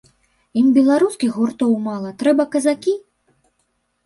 Ім беларускіх гуртоў мала, трэба казакі?